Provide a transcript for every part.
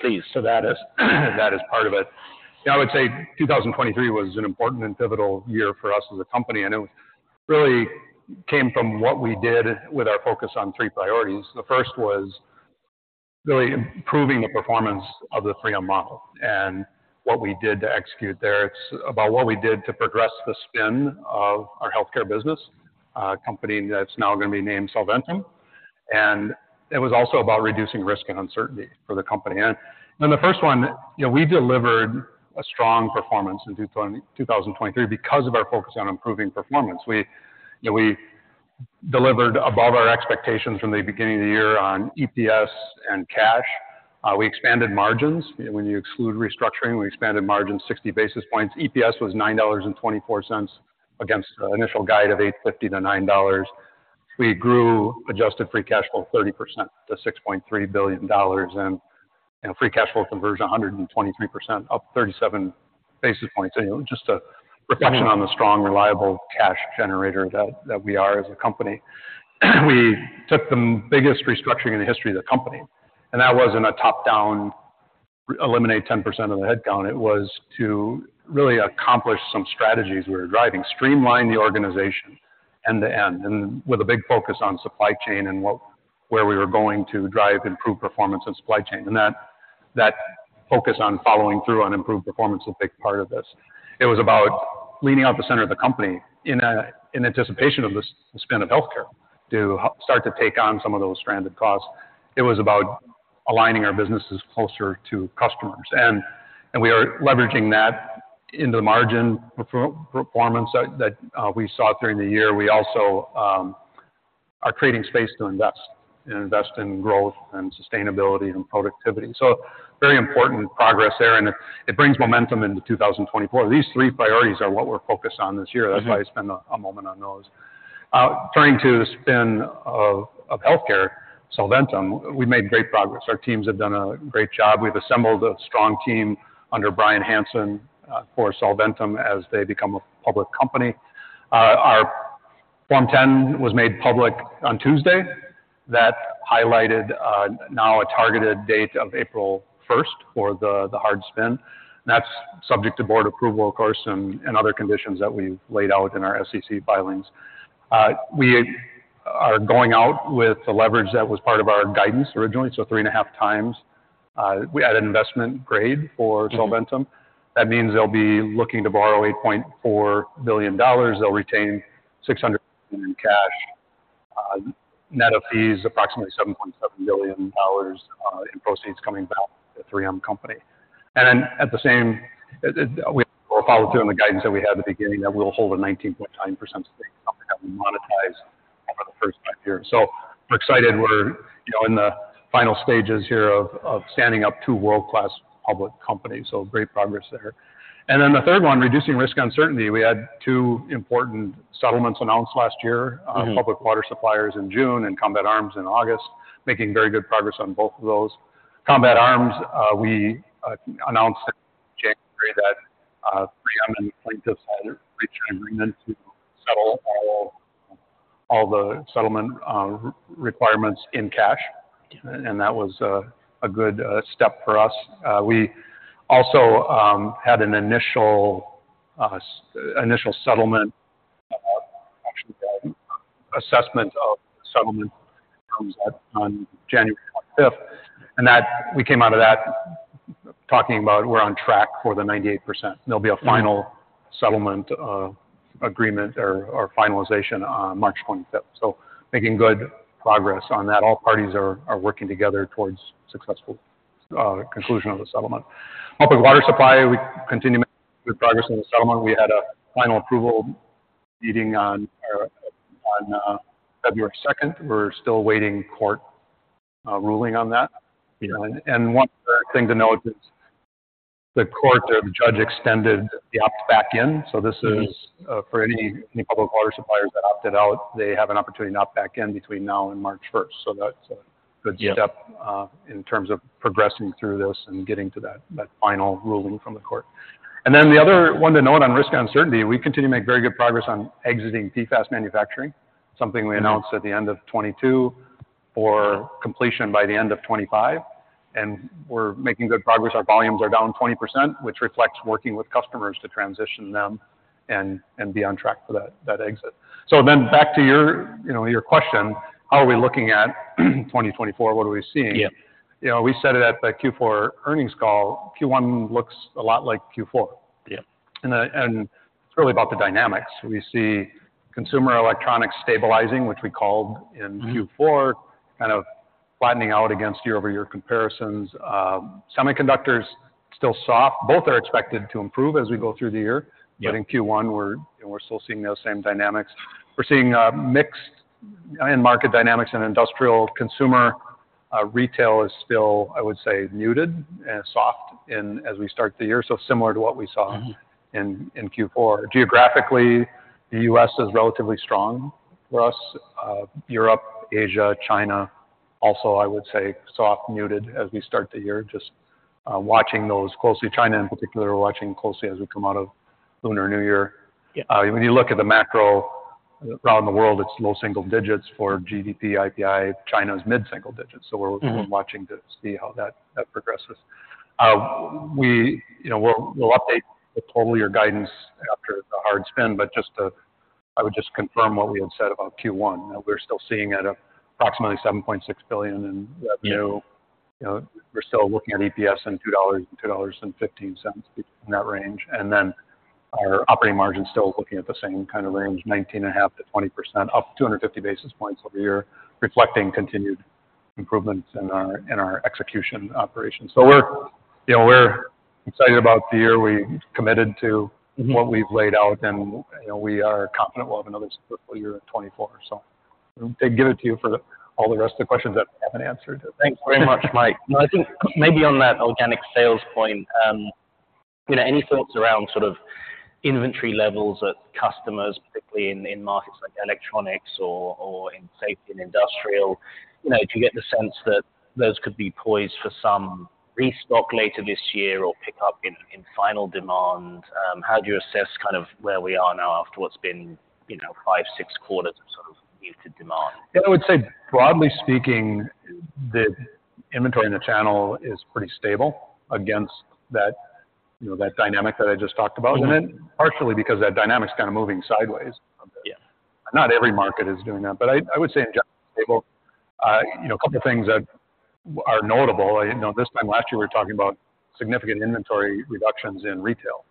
Please. So that is, that is part of it. I would say 2023 was an important and pivotal year for us as a company, and it really came from what we did with our focus on three priorities. The first was really improving the performance of the 3M model and what we did to execute there. It's about what we did to progress the spin of our healthcare business, company that's now going to be named Solventum. And it was also about reducing risk and uncertainty for the company. And then the first one, you know, we delivered a strong performance in 2023 because of our focus on improving performance. We, you know, we delivered above our expectations from the beginning of the year on EPS and cash. We expanded margins. When you exclude restructuring, we expanded margins 60 basis points. EPS was $9.24 against initial guide of $8.50-$9. We grew adjusted free cash flow 30% to $6.3 billion, and free cash flow conversion, 123%, up 37 basis points. You know, just a reflection on the strong, reliable cash generator that, that we are as a company. We took the biggest restructuring in the history of the company, and that wasn't a top-down, eliminate 10% of the headcount. It was to really accomplish some strategies we were driving, streamline the organization end to end, and with a big focus on supply chain and what-- where we were going to drive improved performance in supply chain. And that, that focus on following through on improved performance is a big part of this. It was about leaning out the center of the company in anticipation of the spin of healthcare, to start to take on some of those stranded costs. It was about aligning our businesses closer to customers, and we are leveraging that into the margin performance that we saw during the year. We also are creating space to invest in growth and sustainability and productivity. So very important progress there, and it brings momentum into 2024. These three priorities are what we're focused on this year. That's why I spent a moment on those. Turning to the spin of healthcare, Solventum, we made great progress. Our teams have done a great job. We've assembled a strong team under Bryan Hanson for Solventum as they become a public company. Our Form 10 was made public on Tuesday. That highlighted now a targeted date of April 1 for the hard spin. That's subject to board approval, of course, and other conditions that we've laid out in our SEC filings. We are going out with the leverage that was part of our guidance originally, so 3.5 times. We had an investment grade for Solventum. That means they'll be looking to borrow $8.4 billion. They'll retain $600 million in cash, net of fees, approximately $7.7 billion in proceeds coming back to the 3M company. And at the same, we're following through on the guidance that we had at the beginning, that we'll hold a 19.9% stake in the company that we monetize over the first 5 years. So we're excited. We're, you know, in the final stages here of standing up two world-class public companies, so great progress there. And then the third one, reducing risk uncertainty. We had two important settlements announced last year- Mm-hmm. on public water suppliers in June and Combat Arms in August, making very good progress on both of those. Combat Arms, we announced in January that 3M and the plaintiffs had reached an agreement to settle all the settlement requirements in cash, and that was a good step for us. We also had an initial settlement actually assessment of the settlement on January 5, and that—we came out of that talking about we're on track for the 98%. There'll be a final settlement agreement or finalization on March 25. So making good progress on that. All parties are working together towards successful conclusion of the settlement. Public water supply, we continue making good progress on the settlement. We had a final approval meeting on February 2. We're still awaiting court ruling on that. You know, and one other thing to note is the court or the judge extended the opt back in. So this is- Mm-hmm. for any public water suppliers that opted out, they have an opportunity to opt back in between now and March first. So that's a good step- Yeah. In terms of progressing through this and getting to that final ruling from the court. Then the other one to note on risk uncertainty, we continue to make very good progress on exiting PFAS manufacturing, something we announced at the end of 2022 for completion by the end of 2025, and we're making good progress. Our volumes are down 20%, which reflects working with customers to transition them and be on track for that exit. So then back to your, you know, your question: How are we looking at 2024? What are we seeing? Yeah. You know, we said it at the Q4 earnings call, Q1 looks a lot like Q4. Yeah. It's really about the dynamics. We see consumer electronics stabilizing, which we called in Q4- Mm-hmm. -kind of flattening out against year-over-year comparisons. Semiconductors, still soft. Both are expected to improve as we go through the year. Yeah. But in Q1, we're, you know, we're still seeing those same dynamics. We're seeing mixed end market dynamics in industrial consumer. Retail is still, I would say, muted and soft in as we start the year, so similar to what we saw- Mm-hmm. in Q4. Geographically, the U.S. is relatively strong for us. Europe, Asia, China, also, I would say, soft, muted as we start the year. Just watching those closely. China, in particular, we're watching closely as we come out of Lunar New Year. Yeah. When you look at the macro, around the world, it's low single digits for GDP, IPI. China is mid-single digits. So we're- Mm-hmm. Watching to see how that progresses. You know, we'll update the total year guidance after the hard spin, but just to, I would just confirm what we had said about Q1. We're still seeing at approximately $7.6 billion in revenue. Yeah. You know, we're still looking at EPS in $2.15 in that range. And then our operating margin is still looking at the same kind of range, 19.5%-20%, up 250 basis points over the year, reflecting continued improvements in our execution operations. So we're, you know, we're excited about the year. We've committed to- Mm-hmm... what we've laid out, and, you know, we are confident we'll have another successful year in 2024. So I give it to you for all the rest of the questions that I haven't answered. Thanks very much, Mike. No, I think maybe on that organic sales point, you know, any thoughts around sort of inventory levels that customers, particularly in markets like electronics or in safety and industrial, you know, do you get the sense that those could be poised for some restock later this year or pick up in final demand? How do you assess kind of where we are now after what's been, you know, five, six quarters of sort of muted demand? Yeah, I would say, broadly speaking, the inventory in the channel is pretty stable against that, you know, that dynamic that I just talked about. Mm-hmm. And then partially because that dynamic is kind of moving sideways a bit. Yeah. Not every market is doing that, but I would say in general, stable. You know, a couple of things that are notable. You know, this time last year, we were talking about significant inventory reductions in retail.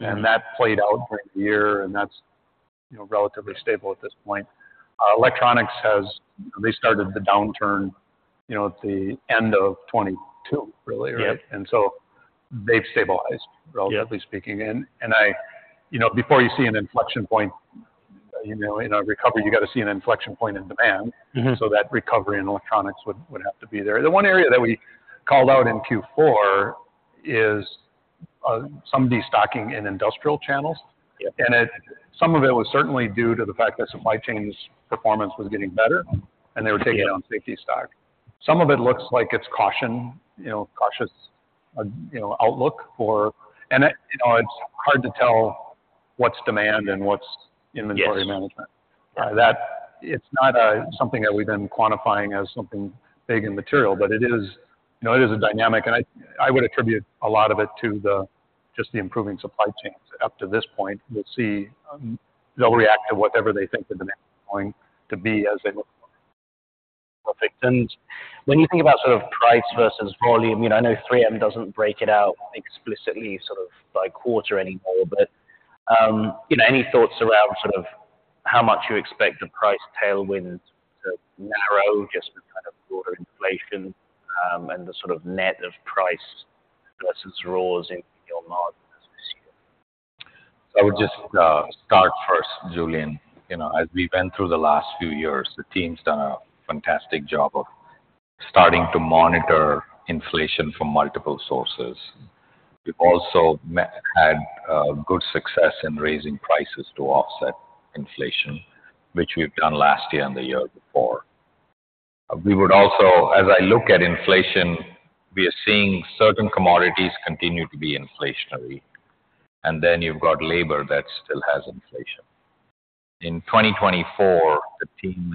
Mm-hmm. That played out during the year, and that's, you know, relatively stable at this point. Electronics has restarted the downturn, you know, at the end of 2022, really. Yeah. They've stabilized- Yeah... relatively speaking. You know, before you see an inflection point, you know, in a recovery, you got to see an inflection point in demand. Mm-hmm. So that recovery in electronics would have to be there. The one area that we called out in Q4 is some destocking in industrial channels. Yeah. Some of it was certainly due to the fact that supply chain's performance was getting better, and they were taking down safety stock. Some of it looks like it's caution, you know, cautious, you know, outlook for... You know, it's hard to tell what's demand and what's- Yes... inventory management. That—it's not something that we've been quantifying as something big and material, but it is, you know, it is a dynamic, and I, I would attribute a lot of it to the, just the improving supply chains up to this point. We'll see, they'll react to whatever they think the demand is going to be as they look. Perfect. And when you think about sort of price versus volume, you know, I know 3M doesn't break it out explicitly, sort of by quarter anymore, but, you know, any thoughts around sort of how much you expect the price tailwind to narrow, just the kind of broader inflation, and the sort of net of price versus raws in your margin this year? I would just start first, Julian. You know, as we've been through the last few years, the team's done a fantastic job of starting to monitor inflation from multiple sources. We've also had good success in raising prices to offset inflation, which we've done last year and the year before. We would also, as I look at inflation, we are seeing certain commodities continue to be inflationary, and then you've got labor that still has inflation. In 2024, the team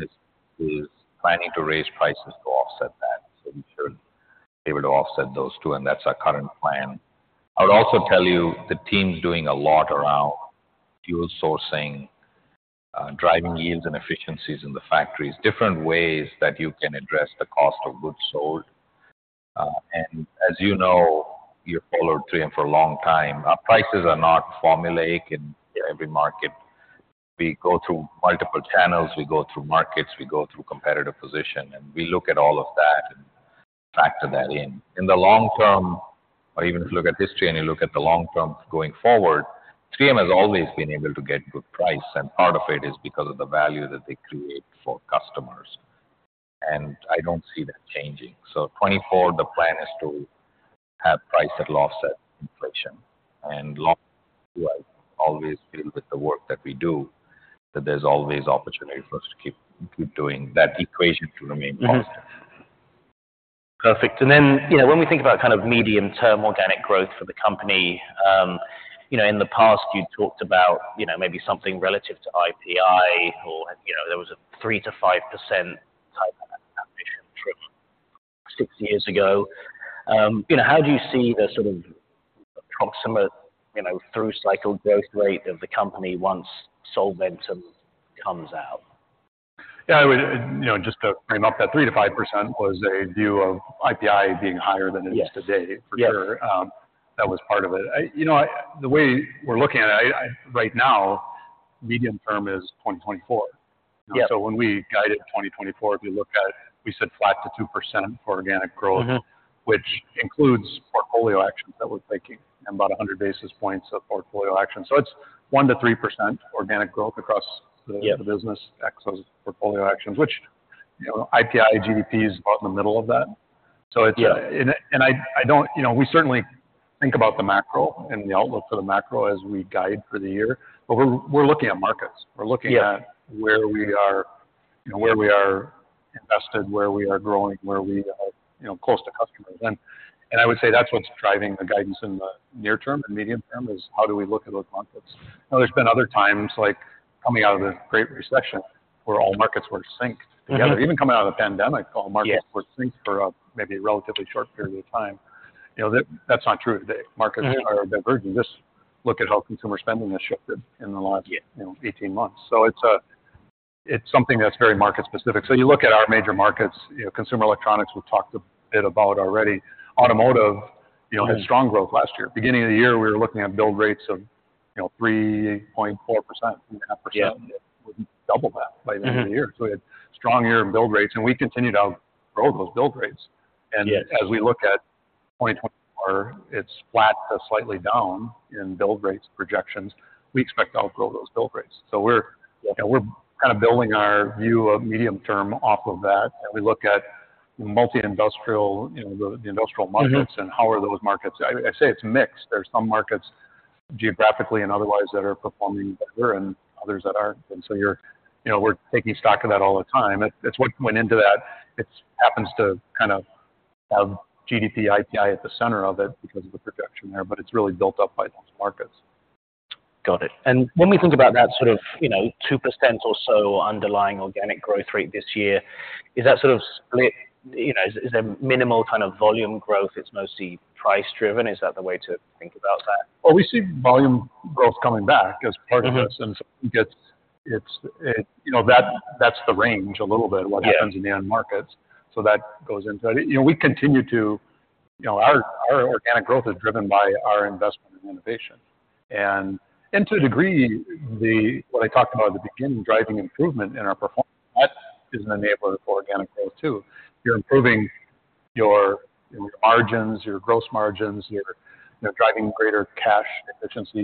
is planning to raise prices to offset that, so we should be able to offset those two, and that's our current plan. I would also tell you, the team's doing a lot around fuel sourcing, driving yields and efficiencies in the factories, different ways that you can address the cost of goods sold. As you know, you've followed 3M for a long time, our prices are not formulaic in every market. We go through multiple channels, we go through markets, we go through competitive position, and we look at all of that and factor that in. In the long term, or even if you look at history and you look at the long term going forward, 3M has always been able to get good price, and part of it is because of the value that they create for customers, and I don't see that changing. So 2024, the plan is to have price that will offset inflation. And long, I always feel with the work that we do, that there's always opportunity for us to keep doing that equation to remain positive. Mm-hmm. Perfect. And then, you know, when we think about kind of medium-term organic growth for the company, you know, in the past, you talked about, you know, maybe something relative to IPI or, you know, there was a 3%-5% type of ambition from six years ago. You know, how do you see the sort of approximate, you know, through cycle growth rate of the company once Solventum comes out? Yeah, I would, you know, just to frame up, that 3%-5% was a view of IPI being higher than it is today. Yes. For sure, that was part of it. You know, the way we're looking at it, right now, medium term is 2024. Yeah. When we guided 2024, if you look at it, we said flat to 2% for organic growth- Mm-hmm... which includes portfolio actions that we're taking, and about 100 basis points of portfolio action. So it's 1%-3% organic growth across- Yeah... the business X's portfolio actions, which, you know, IPI, GDP is about in the middle of that. Yeah. You know, we certainly think about the macro and the outlook for the macro as we guide for the year, but we're looking at markets. Yeah. We're looking at where we are, you know, where we are invested, where we are growing, where we are, you know, close to customers. And I would say that's what's driving the guidance in the near term and medium term, is how do we look at those markets? Now, there's been other times, like coming out of the Great Recession, where all markets were synced together. Mm-hmm. Even coming out of the pandemic- Yes. All markets were synced for a maybe relatively short period of time. You know, that, that's not true today. Mm-hmm. Markets are diverging. Just look at how consumer spending has shifted in the last- Yeah -you know, 18 months. So it's, it's something that's very market specific. So you look at our major markets, you know, consumer electronics, we've talked a bit about already. Automotive, you know- Yeah Had strong growth last year. Beginning of the year, we were looking at build rates of, you know, 3.4%-3.5%. Yeah. It wouldn't double that by the end of the year. Mm-hmm. We had strong year in build rates, and we continued to outgrow those build rates. Yes. As we look at 2024, it's flat to slightly down in build rates projections. We expect to outgrow those build rates. So we're- Yeah... you know, we're kind of building our view of medium term off of that, and we look at multi-industrial, you know, the industrial markets- Mm-hmm And how are those markets? I say it's mixed. There's some markets geographically and otherwise that are performing better and others that aren't. And so you're... You know, we're taking stock of that all the time. It's what went into that. It happens to kind of have GDP, IPI at the center of it because of the projection there, but it's really built up by those markets. Got it. And when we think about that sort of, you know, 2% or so underlying organic growth rate this year, is that sort of split... You know, is there minimal kind of volume growth, it's mostly price driven? Is that the way to think about that? Well, we see volume growth coming back as part of it, and so it gets. You know, that's the range a little bit. Yeah What happens in the end markets. So that goes into it. You know, we continue to... You know, our organic growth is driven by our investment in innovation. And to a degree, what I talked about at the beginning, driving improvement in our performance, that is an enabler for organic growth, too. You're improving your margins, your gross margins, you're, you know, driving greater cash efficiency.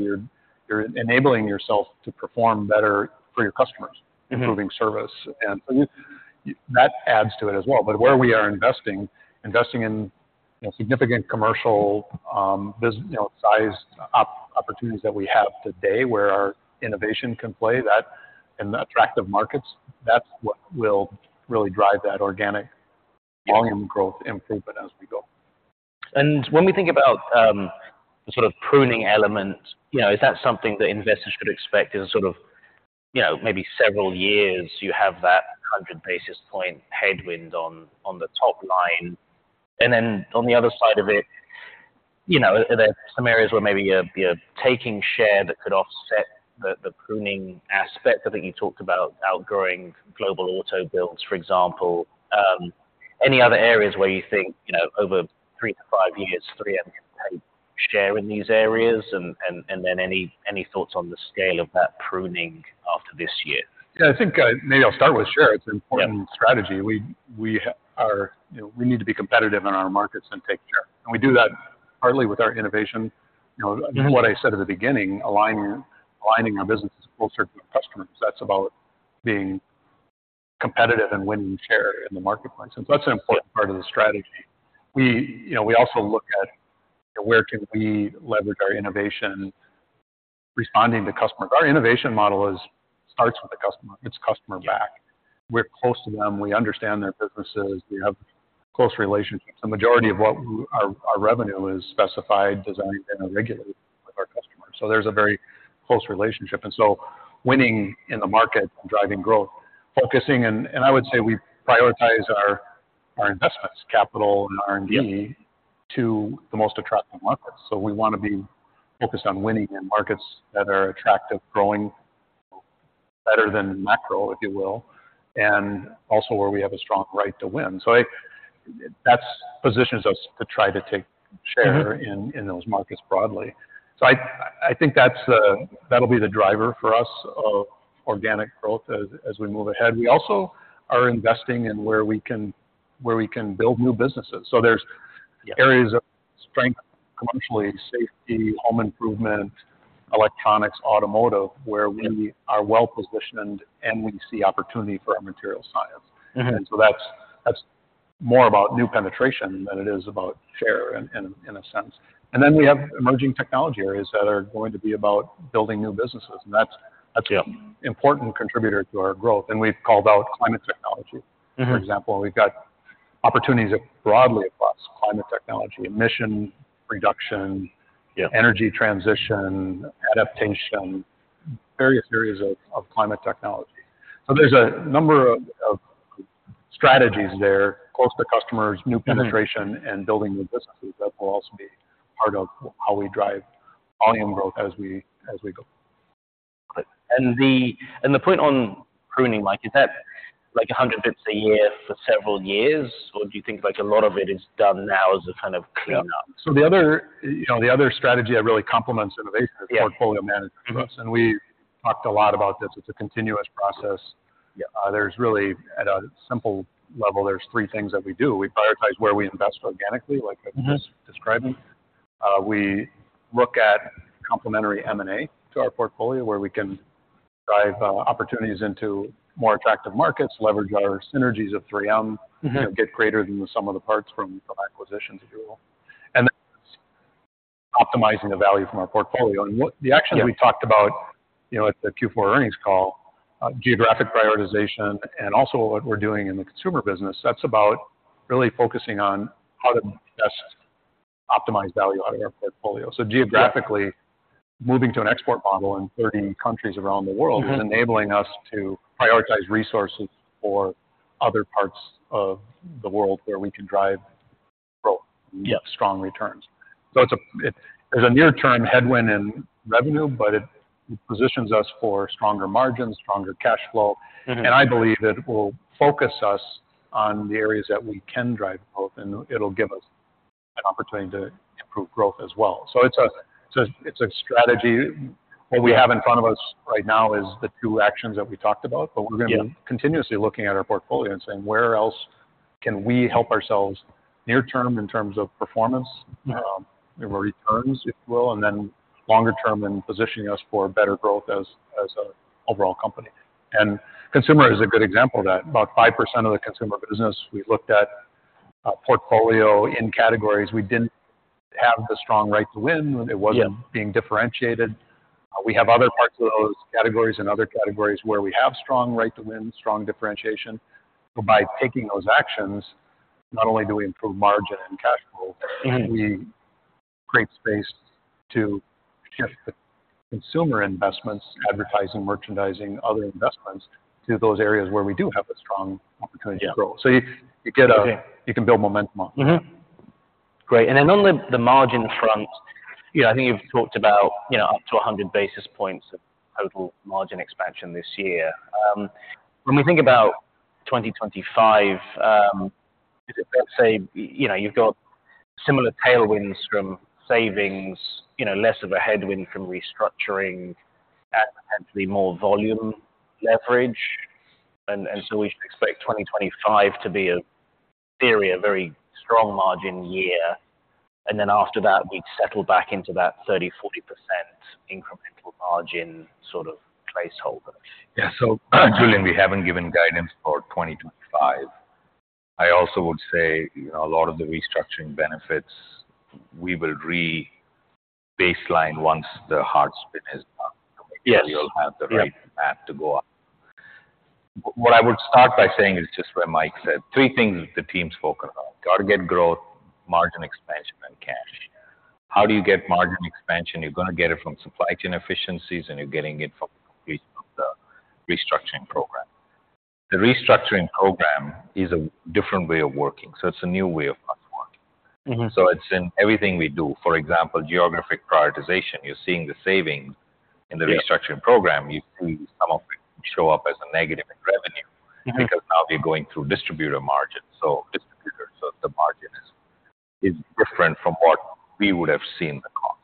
You're enabling yourself to perform better for your customers. Mm-hmm... improving service, and that adds to it as well. Yeah. But where we are investing in, you know, significant commercial business-sized opportunities that we have today, where our innovation can play, that in the attractive markets, that's what will really drive that organic- Yeah Volume growth improvement as we go. When we think about the sort of pruning element, you know, is that something that investors should expect as a sort of, you know, maybe several years you have that 100 basis points headwind on the top line? And then on the other side of it, you know, are there some areas where maybe you're taking share that could offset the pruning aspect? I think you talked about outgrowing global auto builds, for example. Any other areas where you think, you know, over three to five years, 3M will take share in these areas? And then any thoughts on the scale of that pruning after this year? Yeah, I think, maybe I'll start with, sure, it's an important- Yeah Strategy. We are... You know, we need to be competitive in our markets and take share, and we do that partly with our innovation. You know- Mm-hmm... what I said at the beginning, aligning, aligning our businesses closer to our customers. That's about being competitive and winning share in the marketplace. Yeah. So that's an important part of the strategy. We, you know, we also look at where can we leverage our innovation, responding to customers. Our innovation model is, starts with the customer. It's customer back. We're close to them. We understand their businesses. We have close relationships. The majority of what our, our revenue is specified, designed, and regulated with our customers. So there's a very close relationship, and so winning in the market and driving growth, focusing and, and I would say we prioritize our, our investments, capital and R&D. Yeah —to the most attractive markets. So we wanna be focused on winning in markets that are attractive, growing better than macro, if you will, and also where we have a strong right to win. So that positions us to try to take share— Mm-hmm in those markets broadly. So I think that's, that'll be the driver for us of organic growth as we move ahead. We also are investing in where we can build new businesses. So there's- Yeah areas of strength, commercially, safety, home improvement, electronics, automotive, where we- Yeah are well positioned, and we see opportunity for our material science. Mm-hmm. That's more about new penetration than it is about share, in a sense. Yeah. And then we have emerging technology areas that are going to be about building new businesses, and that's- Yeah important contributor to our growth, and we've called out climate technology. Mm-hmm. For example, we've got opportunities broadly across climate technology, emission reduction- Yeah energy transition, adaptation, various areas of, of climate technology. So there's a number of, of strategies there, close to customers. Mm-hmm new penetration and building new businesses. That will also be part of how we drive volume growth as we go. The point on pruning, like is that like 100 bits a year for several years, or do you think like a lot of it is done now as a kind of cleanup? You know, the other strategy that really complements innovation- Yeah is portfolio management, and we've talked a lot about this. It's a continuous process. Yeah. There's really, at a simple level, there's three things that we do. We prioritize where we invest organically, like I'm- Mm-hmm Just describing. We look at complementary M&A to our portfolio, where we can drive opportunities into more attractive markets, leverage our synergies of 3M. Mm-hmm... You know, get greater than the sum of the parts from acquisitions, if you will. And then optimizing the value from our portfolio. And what- Yeah. The actions we talked about, you know, at the Q4 earnings call, geographic prioritization and also what we're doing in the consumer business, that's about really focusing on how to best optimize value out of our portfolio. Yeah. Geographically, moving to an export model in 30 countries around the world- Mm-hmm. - is enabling us to prioritize resources for other parts of the world where we can drive growth. Yeah. Strong returns. So it's, there's a near-term headwind in revenue, but it positions us for stronger margins, stronger cash flow. Mm-hmm. I believe it will focus us on the areas that we can drive growth, and it'll give us an opportunity to improve growth as well. So it's a strategy. What we have in front of us right now is the two actions that we talked about. Yeah. But we're gonna be continuously looking at our portfolio and saying, "Where else can we help ourselves near term in terms of performance? Yeah. and returns, if you will, and then longer term, in positioning us for better growth as, as a overall company. Consumer is a good example of that. About 5% of the consumer business we looked at, portfolio in categories we didn't have the strong right to win. Yeah. It wasn't being differentiated. We have other parts of those categories and other categories where we have strong right to win, strong differentiation. But by taking those actions, not only do we improve margin and cash flow- Mm-hmm... we create space to shift the consumer investments, advertising, merchandising, other investments, to those areas where we do have a strong opportunity to grow. Yeah. So you get a- Okay. You can build momentum on. Mm-hmm. Great, and then on the margin front, you know, I think you've talked about, you know, up to 100 basis points of total margin expansion this year. When we think about 2025, let's say, you know, you've got similar tailwinds from savings, you know, less of a headwind from restructuring, and potentially more volume leverage. And so we should expect 2025 to be another very strong margin year, and then after that, we'd settle back into that 30%-40% incremental margin sort of placeholder. Yeah. So, Julian, we haven't given guidance for 2025. I also would say, you know, a lot of the restructuring benefits, we will re-baseline once the hard spin is done. Yes. We'll have the right- Yeah Path to go up. What I would start by saying is just what Mike said, three things the team's focused on: organic growth, margin expansion, and cash. How do you get margin expansion? You're gonna get it from supply chain efficiencies, and you're getting it from the restructuring program. The restructuring program is a different way of working, so it's a new way of us working. Mm-hmm. It's in everything we do. For example, geographic prioritization, you're seeing the savings in the- Yeah Restructuring program. You see some of it show up as a negative in revenue. Mm-hmm... because now we're going through distributor margins. So distributors, so the margin is different from what we would have seen in the cost.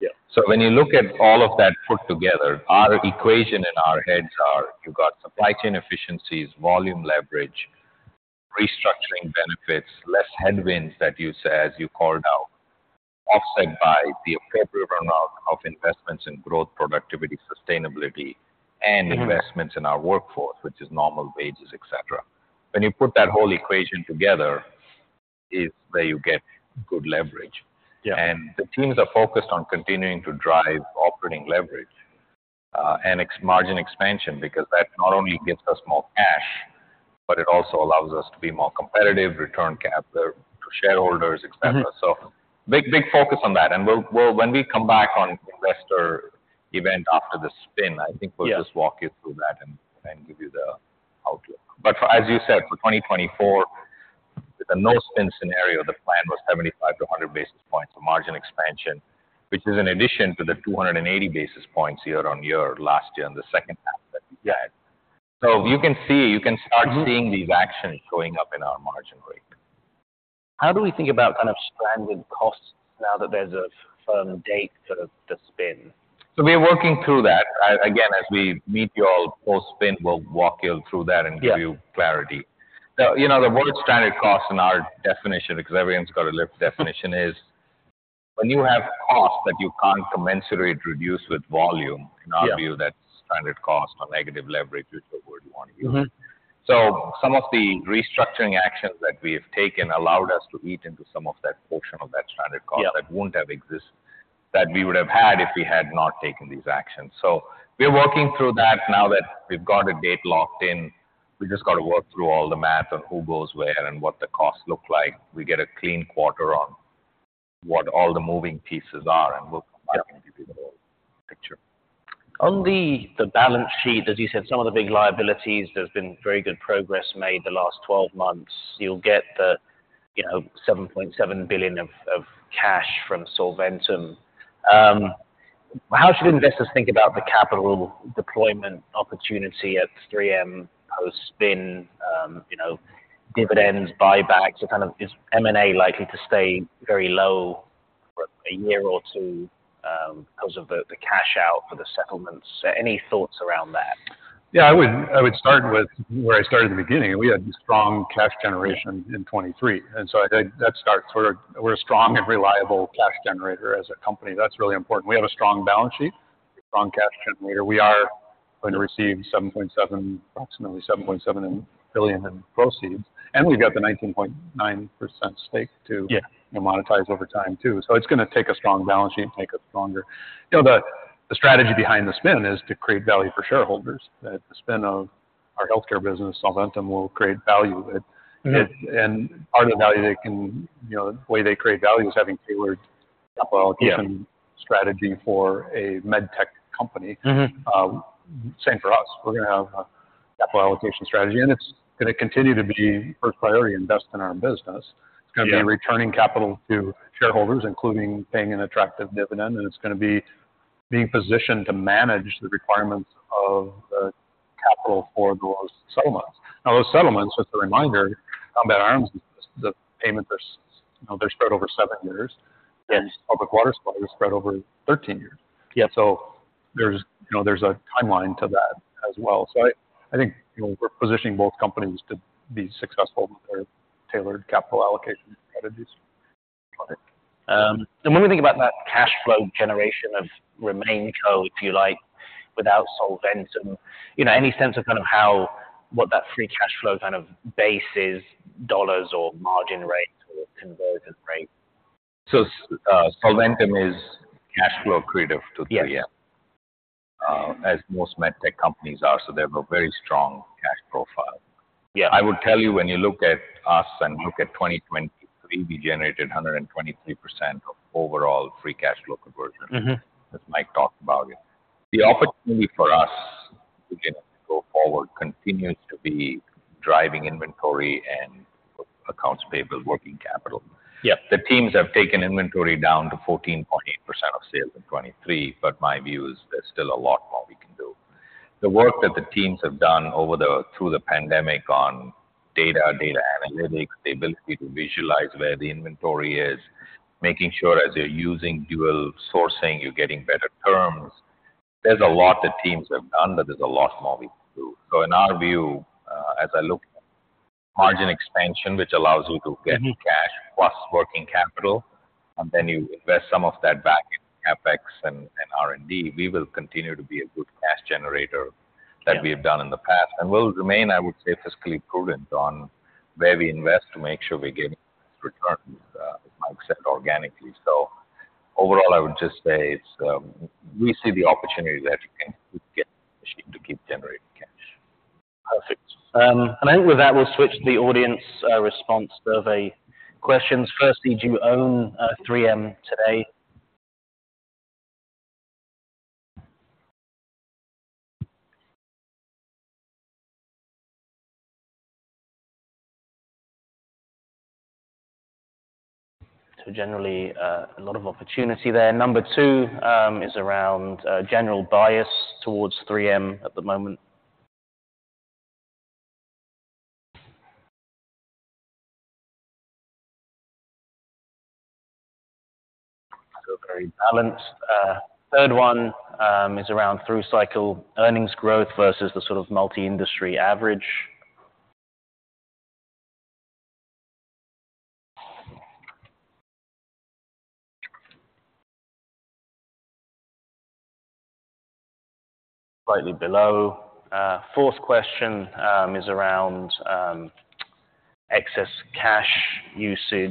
Yeah. So when you look at all of that put together, our equation and our heads are, you've got supply chain efficiencies, volume leverage, restructuring benefits, less headwinds that you saw, as you called out, offset by the appropriate runoff of investments in growth, productivity, sustainability- Mm-hmm... and investments in our workforce, which is normal wages, et cetera. When you put that whole equation together, it's where you get good leverage. Yeah. The teams are focused on continuing to drive operating leverage and margin expansion, because that not only gets us more cash, but it also allows us to be more competitive, return capital to shareholders, et cetera. Mm-hmm. So big, big focus on that, and we'll-- When we come back on investor event after the spin, I think- Yeah... we'll just walk you through that and give you the outlook. But as you said, for 2024, with the no-spin scenario, the plan was 75-100 basis points of margin expansion, which is in addition to the 280 basis points year-on-year, last year, on the H2 that we had. So you can see... Mm-hmm. You can start seeing these actions showing up in our margin rate. How do we think about kind of stranded costs now that there's a firm date for the spin? So we're working through that. Again, as we meet you all post-spin, we'll walk you through that. Yeah... and give you clarity. Now, you know, the word stranded costs in our definition, because everyone's got a lift definition, is when you have costs that you can't commensurately reduce with volume- Yeah... in our view, that's stranded cost or negative leverage, whichever word you want to use. Mm-hmm. Some of the restructuring actions that we have taken allowed us to eat into some of that portion of that stranded cost- Yeah - that wouldn't have existed, that we would have had if we had not taken these actions. So we're working through that now that we've got a date locked in. We've just got to work through all the math on who goes where and what the costs look like. We get a clean quarter on what all the moving pieces are, and we'll- Yeah come back and give you the whole picture. On the balance sheet, as you said, some of the big liabilities, there's been very good progress made the last 12 months. You'll get the you know $7.7 billion of cash from Solventum. How should investors think about the capital deployment opportunity at 3M post-spin, you know, dividends, buybacks? So kind of, is M&A likely to stay very low for a year or two, because of the cash out for the settlements? Any thoughts around that? Yeah, I would, I would start with where I started at the beginning. We had strong cash generation in 2023, and so I think that starts... We're, we're a strong and reliable cash generator as a company. That's really important. We have a strong balance sheet.... strong cash generator. We are going to receive $7.7 billion, approximately $7.7 billion in proceeds, and we've got the 19.9% stake to- Yeah. monetize over time, too. So it's gonna take a strong balance sheet and take a stronger... You know, the strategy behind the spin is to create value for shareholders. That the spin of our healthcare business, Solventum, will create value. Mm-hmm. It and part of the value they can, you know, the way they create value is having tailored capital. Yeah. allocation strategy for a med tech company. Mm-hmm. Same for us. We're gonna have a capital allocation strategy, and it's gonna continue to be first priority, invest in our business. Yeah. It's gonna be returning capital to shareholders, including paying an attractive dividend, and it's gonna be being positioned to manage the requirements of the capital for those settlements. Now, those settlements, just a reminder, on that arms, the payments are, you know, they're spread over seven years. Yes. Public Water Suppliers is spread over 13 years. Yeah. So there's, you know, there's a timeline to that as well. So I think, you know, we're positioning both companies to be successful with their tailored capital allocation strategies. Got it. When we think about that cash flow generation of remaining core, if you like, without Solventum, you know, any sense of kind of how, what that free cash flow kind of base is, dollars or margin rate or conversion rate? Solventum is cash flow creative to 3M. Yes. As most med tech companies are, so they have a very strong cash profile. Yeah. I would tell you, when you look at us and look at 2023, we generated 123% of overall Free Cash Flow Conversion. Mm-hmm. As Mike talked about it, the opportunity for us going forward continues to be driving inventory and accounts payable, working capital. Yeah. The teams have taken inventory down to 14.8% of sales in 2023, but my view is there's still a lot more we can do. The work that the teams have done through the pandemic on data, data analytics, the ability to visualize where the inventory is, making sure as you're using dual sourcing, you're getting better terms. There's a lot the teams have done, but there's a lot more we can do. So in our view, as I look margin expansion, which allows you to get- Mm-hmm... cash plus working capital, and then you invest some of that back in CapEx and R&D, we will continue to be a good cash generator. Yeah Like we've done in the past. We'll remain, I would say, fiscally prudent on where we invest to make sure we're getting returns, like I said, organically. So overall, I would just say it's, we see the opportunity there to get machine to keep generating cash. Perfect. And I think with that, we'll switch to the audience response survey questions. Firstly, do you own 3M today? So generally, a lot of opportunity there. Number two is around general bias towards 3M at the moment. So very balanced. Third one is around through cycle earnings growth versus the sort of multi-industry average. Slightly below. Fourth question is around excess cash usage.